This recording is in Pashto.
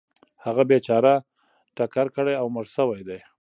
هغه بیچاره ټکر کړی او مړ شوی دی .